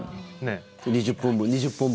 ２０本分、２０本分。